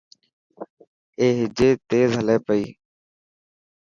اي هجي تيز هلي پئي.